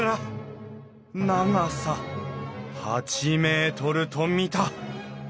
長さ８ｍと見た！